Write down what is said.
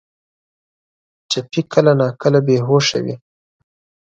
ټپي کله ناکله بې هوشه وي.